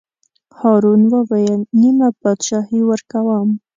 هارون وویل: نیمه بادشاهي ورکووم.